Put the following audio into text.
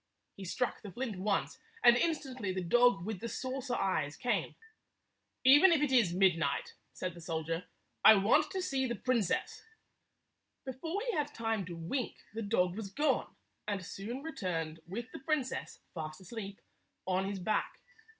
He struck the flint once, and instantly the dog with the saucer eyes came. " Even if it is midnight," said the soldier, " I want to see the princess." Before he had time to wink, the dog was gone, and soon returned with the princess, fast asleep, on his back.